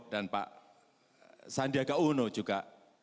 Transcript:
dan pak sandiaga uno juga